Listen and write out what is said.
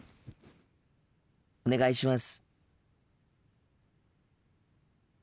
お願いします。